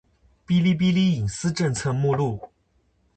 《哔哩哔哩隐私政策》目录